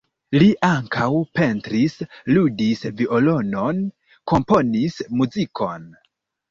Li ankaŭ pentris, ludis violonon, komponis muzikon.